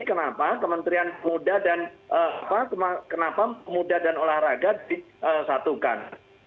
kenapa kementerian pemuda dan olahraga disatukan